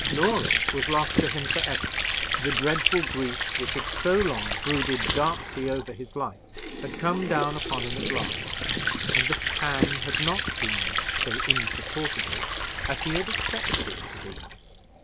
Laura was lost to him for ever. The dreadful grief which had so long brooded darkly over his life had come down upon him at last, and the pang had not been so insupportable as he had expected it to be.